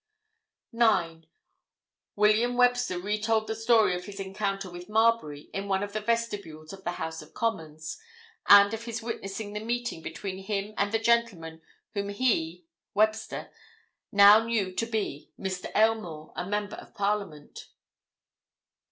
9. William Webster re told the story of his encounter with Marbury in one of the vestibules of the House of Commons, and of his witnessing the meeting between him and the gentleman whom he (Webster) now knew to be Mr. Aylmore, a Member of Parliament.